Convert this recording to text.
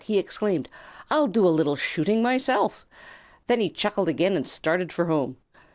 he exclaimed. "I'll do a little shooting myself!" Then he chuckled again and started for home.